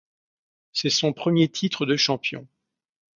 C’est son premier titre de champion.